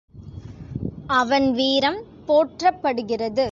அவன் வீரம் போற்றப்படுகிறது.